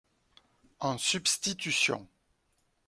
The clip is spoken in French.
En substitution